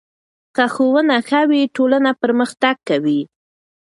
که ښوونه ښه وي، ټولنه پرمختګ کوي.